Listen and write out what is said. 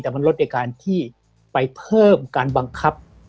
แต่มันลดในการที่ไปเพิ่มการบังคับ